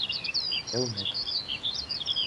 ЭЛНЕТ